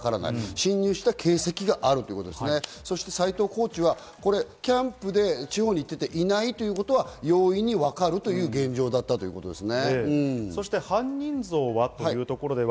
侵入した形跡があるということ、そして斎藤コーチはキャンプで地方に行ってて、いないということは容易にわかるという現状だったということですね。